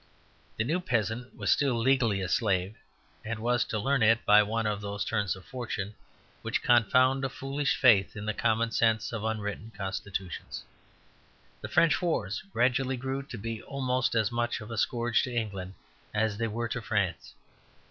The new peasant was still legally a slave, and was to learn it by one of those turns of fortune which confound a foolish faith in the common sense of unwritten constitutions. The French Wars gradually grew to be almost as much of a scourge to England as they were to France.